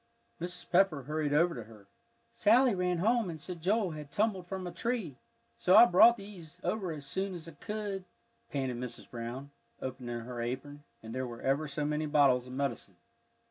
Mrs. Pepper hurried over to her. "Sally ran home and said Joel had tumbled from a tree, so I brought these over as soon's I could," panted Mrs. Brown, opening her apron, and there were ever so many bottles of medicine.